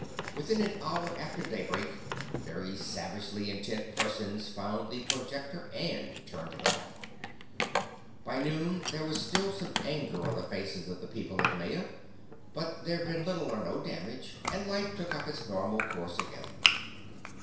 Within an hour after daybreak, very savagely intent persons found the projector and turned it off. By noon there was still some anger on the faces of the people of Maya, but there'd been little or no damage, and life took up its normal course again.